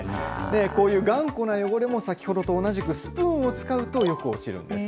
こういう頑固な汚れも、先ほどと同じく、スプーンを使うとよく落ちるんです。